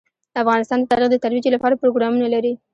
افغانستان د تاریخ د ترویج لپاره پروګرامونه لري.